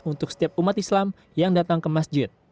untuk setiap umat islam yang datang ke masjid